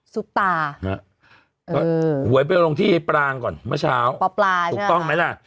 ซุปตาฮะเออหวยไปลงที่ปลางก่อนมาเช้าปลาปลาใช่ไหมถูกต้องไหมล่ะ